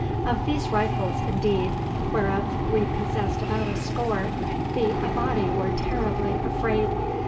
Of these rifles, indeed, whereof we possessed about a score, the Abati were terribly afraid.